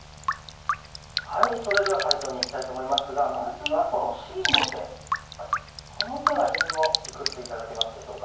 それでは解答にいきたいと思いますがまずはこのＣの手この手はりんごいくつ頂けますでしょうか？